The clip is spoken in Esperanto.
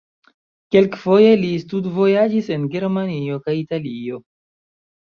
Kelkfoje li studvojaĝis en Germanio kaj Italio.